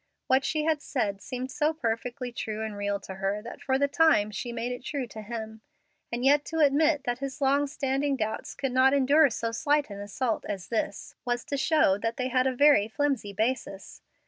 What she had said seemed so perfectly true and real to her that for the time she made it true to him; and yet to admit that his long standing doubts could not endure so slight an assault as this, was to show that they had a very flimsy basis.